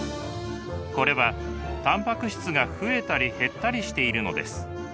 これはタンパク質が増えたり減ったりしているのです。